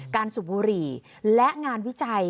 สูบบุหรี่และงานวิจัย